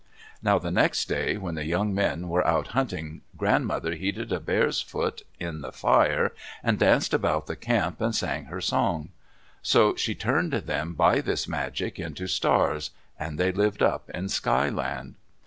Now the next day, when the young men were out hunting, grandmother heated a bear's foot in the fire, and danced about the camp and sang her song. So she turned them by this magic into stars, and they lived up in Sky Land.